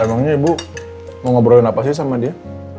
emangnya ibu mau ngobrolin apa sih sama dia